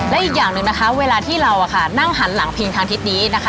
และอีกอย่างหนึ่งนะคะเวลาที่เรานั่งหันหลังพิงทางทิศนี้นะคะ